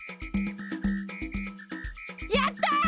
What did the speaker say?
やった！